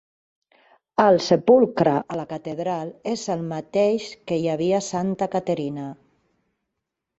El sepulcre a la catedral és el mateix que hi havia a Santa Caterina.